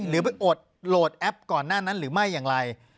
หรือไปโอดโหลดแอปก่อนหน้านั้นหรือไม่อย่างไร